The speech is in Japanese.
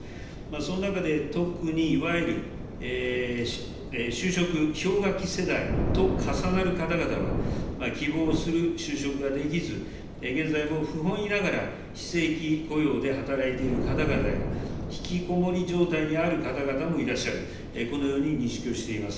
その中で特に、いわゆる就職氷河期世代と重なる方々が、希望する就職ができず、現在も不本意ながら、非正規雇用で働いている方々や、引きこもり状態にある方々もいらっしゃる、このように認識をしています。